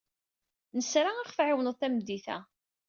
Nesra ad ɣ-tɛiwneḍ tameddit-a.